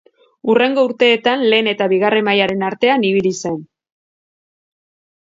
Hurrengo urteetan lehen eta bigarren mailaren artean ibili zen.